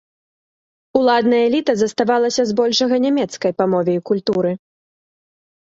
Уладная эліта заставалася збольшага нямецкай па мове і культуры.